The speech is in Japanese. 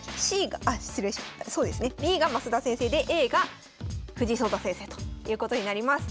Ｂが升田先生でＡが藤井聡太先生ということになります。